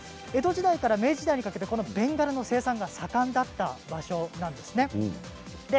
江戸時代から明治時代にかけてベンガラの生産が盛んだった場所です。